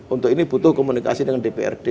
untuk ini butuh komunikasi dengan dprd